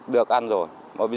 được ăn rồi